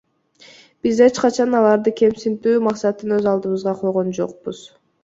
Биз эч качан аларды кемсинтүү максатын өз алдыбызга койгон жокпуз.